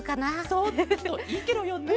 そういいケロよね。